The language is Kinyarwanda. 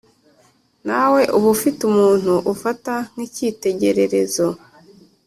nawe uba ufite umuntu ufata nk’ikitegererezo